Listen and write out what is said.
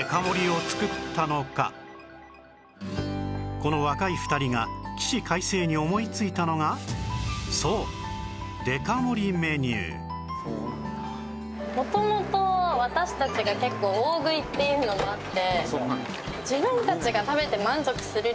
この若い２人が起死回生に思いついたのがそう元々私たちが結構大食いっていうのもあって。